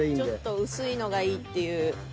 ちょっと薄いのがいいっていう。